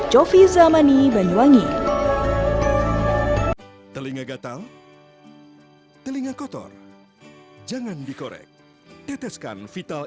kalender banyuwangi festival dua ribu delapan belas